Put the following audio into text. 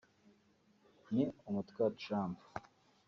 Ni umutwe wa Trump